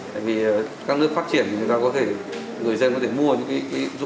tại vì các nước phát triển người dân có thể mua những dụng cụ